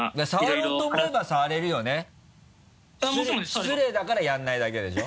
失礼だからやらないだけでしょ？